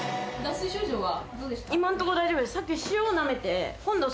今んとこ大丈夫です。